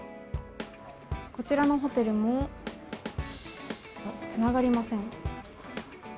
こちらのホテルもつながりません。